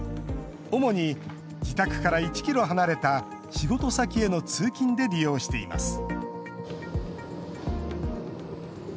主に自宅から１ｋｍ離れた仕事先への通勤で利用しています。